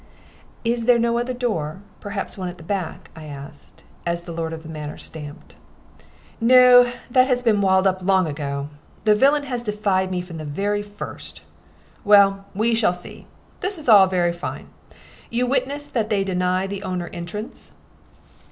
"Is there no other door perhaps one at the back?" I asked, as the lord of the manor stamped. "No, that has been walled up long ago. The villain has defied me from the very first. Well, we shall see. This is all very fine. You witness that they deny the owner entrance?"